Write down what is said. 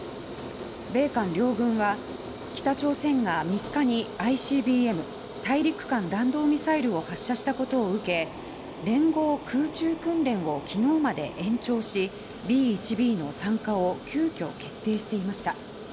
米韓両軍は北朝鮮が３日にＩＣＢＭ・大陸間弾道ミサイルを発射したことを受け連合空中訓練を昨日まで延長しＢ１Ｂの参加を急きょ決定していました。